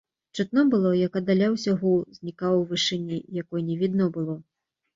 Чутно было, як аддаляўся гул, знікаў у вышыні, якой не відно было.